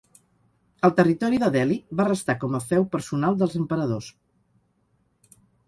El territori de Delhi va restar com a feu personal dels emperadors.